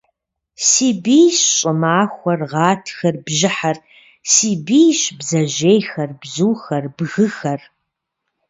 Си бийщ щӏымахуэр, гъатхэр, бжьыхьэр. Си бийщ, бдзэжьейхэр, бзухэр, бгыхэр.